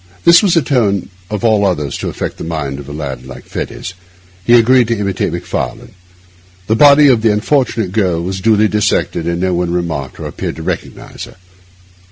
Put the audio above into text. This was the tone of all others to affect the mind of a lad like Fettes. He agreed to imitate Macfarlane. The body of the unfortunate girl was duly dissected, and no one remarked or appeared to recognise her.